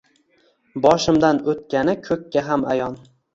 Boshimdan o’tgani ko’kka ham ayon